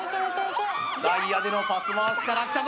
外野でのパス回しからきたぞ